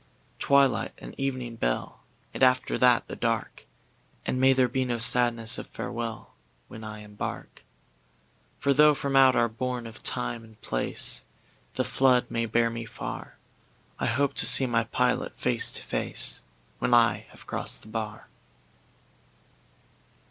Twilight and evening bell, And after that the dark! And may there be no sadness of farewell, When I embark; For tho' from out our bourne of Time and PlaceThe flood may bear me far,I hope to see my Pilot face to faceWhen I have crossed the bar.